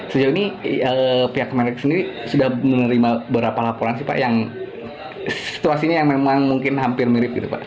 sejauh ini pihak kemenek sendiri sudah menerima berapa laporan sih pak yang situasinya yang memang mungkin hampir mirip gitu pak